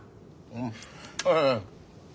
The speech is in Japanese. うん。